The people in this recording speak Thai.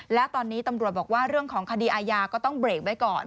และตอนนี้ตำรวจบอกว่าเรื่องของคดีอาญาก็ต้องเบรกไว้ก่อน